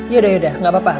yaudah yaudah gak apa apa